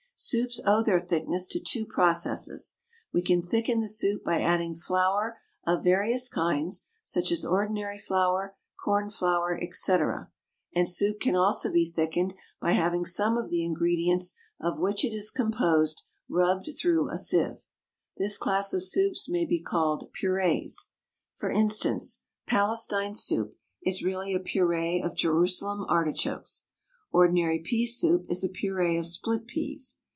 Soups owe their thickness to two processes. We can thicken the soup by adding flour of various kinds, such as ordinary flour, corn flour, &c., and soup can also be thickened by having some of the ingredients of which it is composed rubbed through a sieve. This class of soups may be called Purees. For instance, Palestine soup is really a puree of Jerusalem artichokes; ordinary pea soup is a puree of split peas.